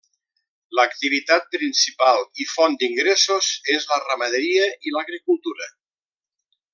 L'activitat principal i font d'ingressos és la ramaderia i l'agricultura.